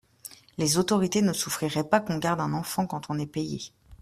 Les autorités ne souffriraient pas qu'on garde un enfant quand on est payé.